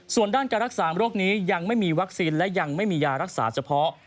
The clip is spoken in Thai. ส่วนด้านการรักษาโรคนี้ยังไม่มีวัคซีนและยังไม่มียารักษาเฉพาะ